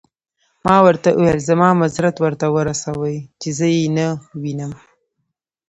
ما ورته وویل: زما معذرت ورته ورسوئ، چې زه يې نه وینم.